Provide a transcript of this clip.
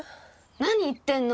何言ってんの！